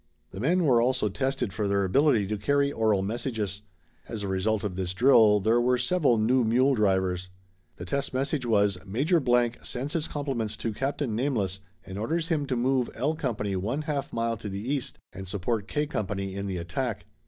The men were also tested for their ability to carry oral messages. As a result of this drill there were several new mule drivers. The test message was, "Major Blank sends his compliments to Captain Nameless and orders him to move L company one half mile to the east and support K company in the attack."